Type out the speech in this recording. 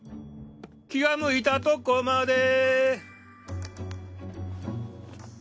気が向いたとこまで。